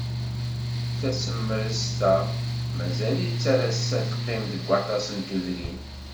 Tasemrest-a, mazal-itt ar ass-a teqqim deg waṭas n tudrin.